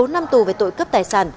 bốn năm tù về tội cướp tài sản